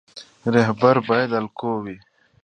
رهبر باید الګو وي